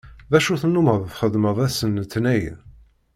D acu tennumeḍ txeddmeḍ ass n letnayen?